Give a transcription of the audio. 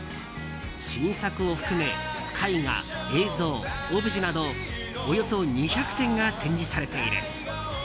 新作を含め絵画、映像、オブジェなどおよそ２００点が展示されている。